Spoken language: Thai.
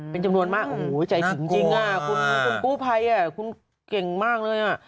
เป็นจำนวนมากโอ้โหใจถึงจริงคุณกู้ภัยคุณเก่งมากเลยอ่ะ